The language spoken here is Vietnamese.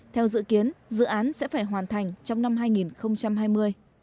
theo dự kiến dự án sẽ phải hoàn thành trong năm hai nghìn hai mươi